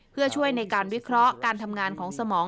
เพื่อช่วยในการวิเคราะห์การทำงานของสมอง